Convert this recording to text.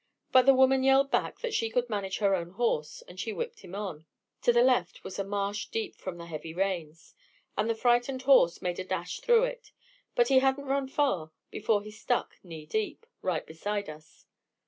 But the woman yelled back that she could manage her own horse; so she whipped him on. To the left was a marsh deep from the heavy rains; and the frightened horse made a dash through it, but he hadn't run far before he stuck knee deep, right beside us.